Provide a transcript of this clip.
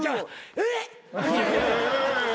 えっ！？